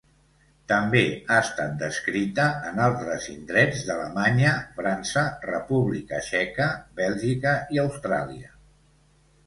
També ha estat descrita en altres indrets d'Alemanya, França, República Txeca, Bèlgica i Austràlia.